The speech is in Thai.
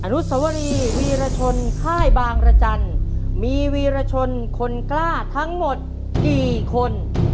นุสวรีวีรชนค่ายบางรจันทร์มีวีรชนคนกล้าทั้งหมดกี่คน